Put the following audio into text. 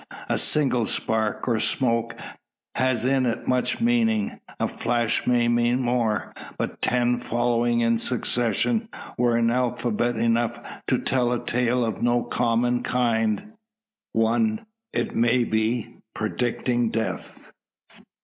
A single spark, or smoke, has in it much of meaning. A flash may mean more; but ten following in succession were alphabet enough to tell a tale of no common kind one, it may be, predicting death.